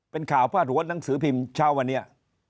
เป็นข่าวพาดหัวหนังสือพิมพ์เช้าวันนี้